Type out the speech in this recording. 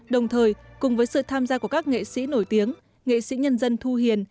đồng thời cùng với sự tham gia của các nghệ sĩ nổi tiếng nghệ sĩ nhân dân thu hiền